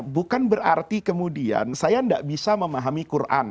bukan berarti kemudian saya tidak bisa memahami quran